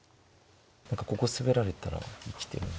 何かここスベられたら生きてる。